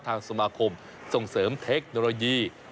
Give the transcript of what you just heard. ทางสมาคมส่งเสริมเทคโนโลยี